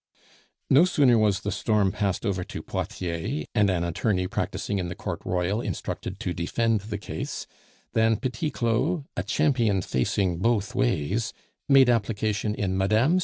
No sooner was the storm passed over to Poitiers, and an attorney practising in the Court Royal instructed to defend the case, than Petit Claud, a champion facing both ways, made application in Mme.